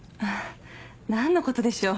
何のことでしょう？